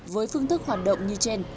với phương thức hoạt động như trên